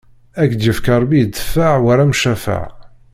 Ad k-ifk Ṛebbi i ddfeɛ war amcafaɛ!